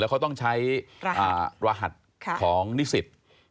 เขาต้องใช้รหัสของนิสิต